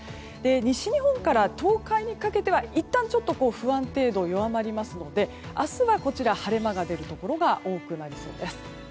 西日本から東海にかけてはいったん不安定度が弱まりますので明日はこちら晴れ間が出るところが多くなりそうです。